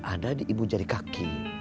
ada di ibu jari kaki